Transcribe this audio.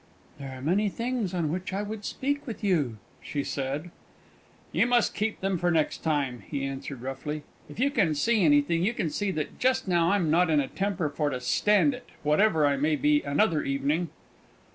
"There are many things on which I would speak with you," she said. "You must keep them for next time," he answered roughly. "If you can see anything, you can see that just now I'm not in a temper for to stand it, whatever I may be another evening."